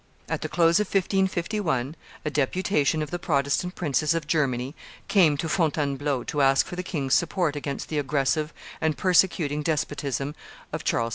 At the close of 1551, a deputation of the Protestant princes of Germany came to Fontainebleau to ask for the king's support against the aggressive and persecuting despotism of Charles V.